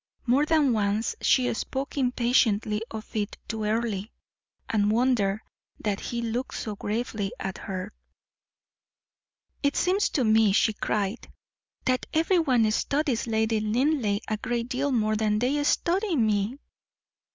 More than once she spoke impatiently of it to Earle, and wondered that he looked so gravely at her. "It seems to me," she cried, "that every one studies Lady Linleigh a great deal more than they study me."